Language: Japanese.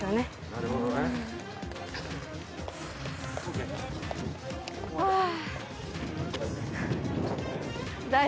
なるほどね。はあ。